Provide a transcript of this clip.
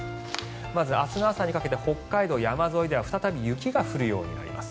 まず明日の朝にかけて北海道山沿いでは再び雪がふるようになります。